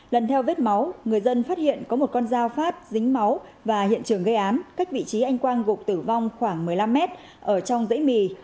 lần theo vết máu người dân phát hiện có một con dao phát dính máu và hiện trường gây án cách vị trí anh quang gục tử vong khoảng một mươi năm mét ở trong dãy mì